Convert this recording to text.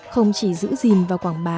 không chỉ giữ gìn và quảng bá